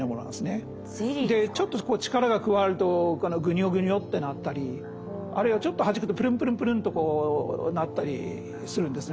でちょっと力が加わるとぐにょぐにょってなったりあるいはちょっとはじくとぷるんぷるんぷるんとなったりするんですね。